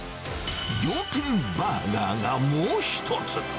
仰天バーガーがもう一つ。